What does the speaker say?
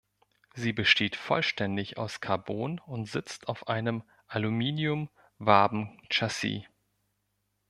Sie besteht vollständig aus Carbon und sitzt auf einem Aluminium-Waben-Chassis.